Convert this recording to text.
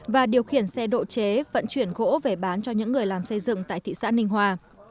và điều khiển xe độ chế vận chuyển gỗ về bán cho những người làm xây dựng tại thị xã ninh hòa